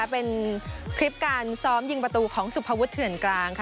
เป็นคลิปการซ้อมยิงประตูของสุภวุฒิเถื่อนกลางค่ะ